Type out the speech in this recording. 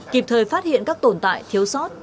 kịp thời phát hiện các tồn tại thiếu sót